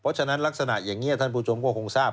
เพราะฉะนั้นลักษณะอย่างนี้ท่านผู้ชมก็คงทราบ